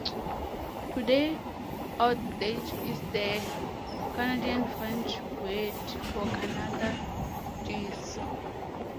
Today "outardes" is the Canadian French word for Canada geese.